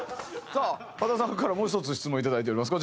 さあ秦さんからもう１つ質問をいただいております。